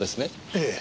ええ。